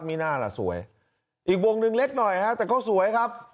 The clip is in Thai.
มีหน้าล่ะสวยอีกวงหนึ่งเล็กหน่อยฮะแต่ก็สวยครับ